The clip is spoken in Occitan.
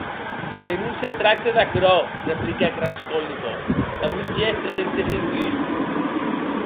Que non se tracte d’aquerò, repliquèc Raskolnikov, damb un gèst de desengust.